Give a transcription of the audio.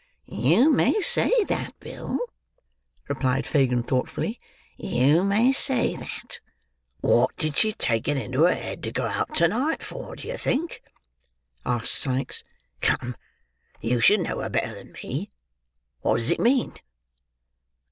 "You may say that, Bill," replied Fagin thoughtfully. "You may say that." "Wot did she take it into her head to go out to night for, do you think?" asked Sikes. "Come; you should know her better than me. Wot does it mean?"